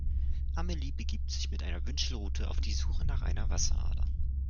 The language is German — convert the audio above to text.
Amelie begibt sich mit einer Wünschelrute auf die Suche nach einer Wasserader.